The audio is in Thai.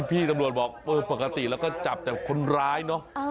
พี่ตำรวจบอกเออปกติแล้วก็จับแต่คนร้ายเนอะ